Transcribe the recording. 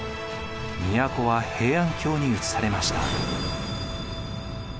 都は平安京にうつされました。